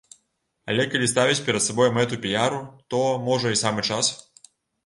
Але калі ставіць перад сабой мэту піяру, то, можа, і самы час.